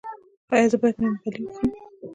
ایا زه باید ممپلی وخورم؟